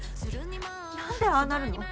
何でああなるの？